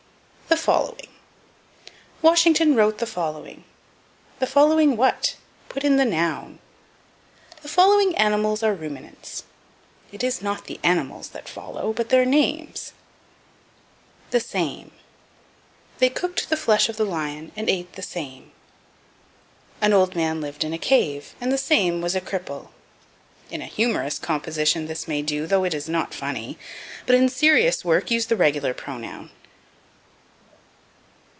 The Following. "Washington wrote the following." The following what? Put in the noun. "The following animals are ruminants." It is not the animals that follow, but their names. The Same. "They cooked the flesh of the lion and ate the same." "An old man lived in a cave, and the same was a cripple." In humorous composition this may do, though it is not funny; but in serious work use the regular pronoun.